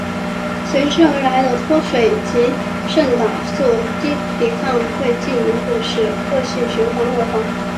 随之而来的脱水及胰岛素抵抗会进一步使恶性循环恶化。